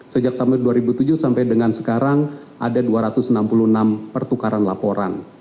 sejak tahun dua ribu tujuh sampai dengan sekarang ada dua ratus enam puluh enam pertukaran laporan